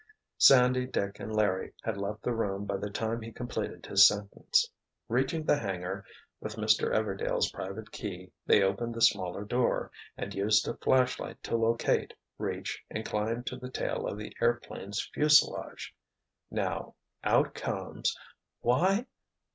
Sandy, Dick and Larry had left the room by the time he completed his sentence. Reaching the hangar, with Mr. Everdail's private key they opened the smaller door, and used a flashlight to locate, reach and climb to the tail of the airplane's fuselage. "Now—out comes—why!